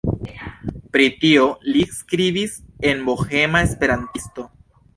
Pri tio li skribis en "Bohema Esperantisto".